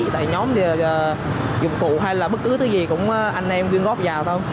tại nhóm dụng cụ hay là bất cứ thứ gì cũng anh em quyên góp vào thôi